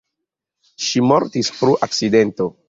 Ŝi mortis pro akcidento.